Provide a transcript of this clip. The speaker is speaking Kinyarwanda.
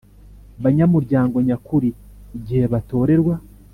banyamuryango nyakuri Igihe batorerwa